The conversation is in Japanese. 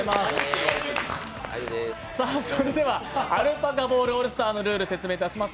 それでは、「アルパカボールオールスター」のルール説明いたします。